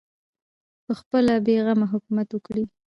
پخپله بې غمه حکومت وکړي